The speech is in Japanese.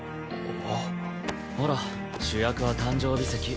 ほら主役は誕生日席。